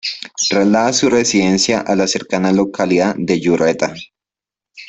Traslada su residencia a la cercana localidad de Yurreta.